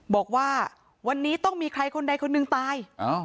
บอกว่าวันนี้ต้องมีใครคนใดคนหนึ่งตาย